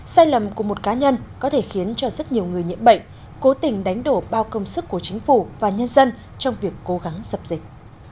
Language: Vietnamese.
sai lầm của một cá nhân có thể khiến cho rất nhiều người nhiễm bệnh cố tình đánh đổ bao công sức của chính phủ và nhân dân trong việc cố gắng dập dịch